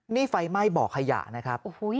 นี่ไฟไหม้บ่อขยะนะครับ